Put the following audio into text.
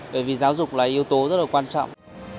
bởi vì giáo dục là yếu tố rất là quan trọng